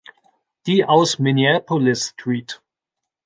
Die aus Minneapolis-St.